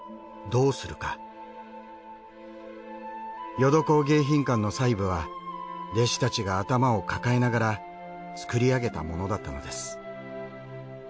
『ヨドコウ迎賓館』の細部は弟子たちが頭を抱えながら作り上げたものだったのです。